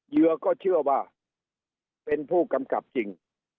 เหยื่อก็เชื่อว่าเป็นผู้กำกับจริง